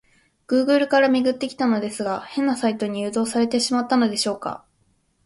グーグルから辿ってきたのですが、変なサイトに誘導されてしまったのでしょうか？